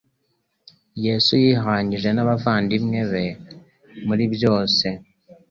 Yesu yihwanije n'abavandimve be muri byose.